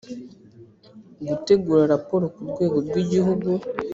gutegura raporo ku rwego rw igihugu